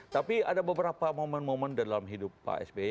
tapi ada beberapa momen momen dalam hidup pak sby